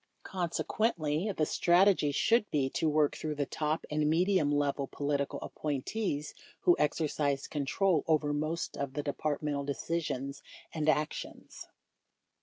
Consequently, the strategy should be to work through the top and medium level political appointees who exercise control over most of the Departmental decisions and actions.